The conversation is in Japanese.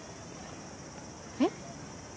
えっ？